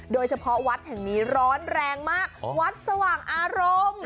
โดยเฉพาะวัดแห่งนี้ร้อนแรงมากวัดสว่างอารมณ์